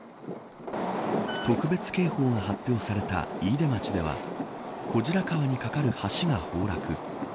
特別警報が発表された飯豊町では小白川に架かる橋が崩落。